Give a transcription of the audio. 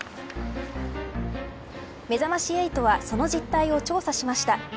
めざまし８はその実態を調査しました。